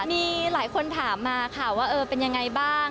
มีหลายคนถามมาค่ะว่าเป็นอย่างไรบ้าง